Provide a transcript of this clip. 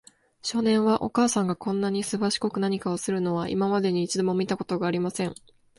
少年は、お母さんがこんなにすばしこく何かするのを、今までに一度も見たことがありません。